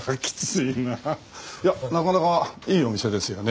いやなかなかいいお店ですよね。